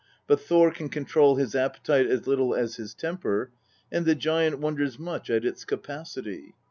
But Thor can control his appetite as little as his temper, and the giant wonders much at its capacity.